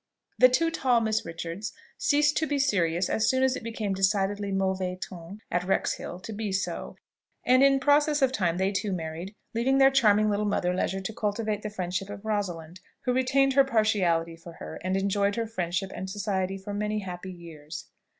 The two tall Misses Richards ceased to be serious as soon as it became decidedly mauvais ton at Wrexhill to be so: and in process of time they too married; leaving their charming little mother leisure to cultivate the friendship of Rosalind, who retained her partiality for her, and enjoyed her friendship and society for many happy years.